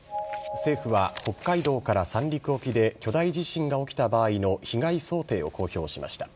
政府は北海道から三陸沖で、巨大地震が起きた場合の被害想定を公表しました。